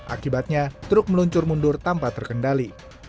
akibatnya truk meluncur mundur tanpa terkendali